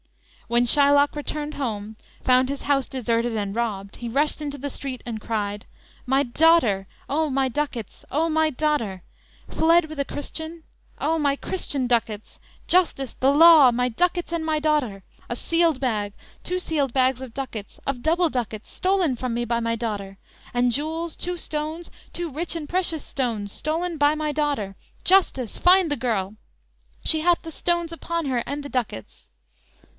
"_ When Shylock returned home, found his house deserted and robbed, he rushed into the street, and cried: _"My daughter! O my ducats! O my daughter! Fled with a Christian? O my Christian ducats! Justice! the law! my ducats and my daughter! A sealed bag, two sealed bags of ducats, Of double ducats, stolen from me by my daughter! And jewels, two stones, two rich and precious stones Stolen by my daughter! Justice! Find the girl! She hath the stones upon her and the ducats!"